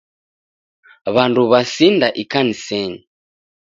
W'andu w'asinda ikanisenyi.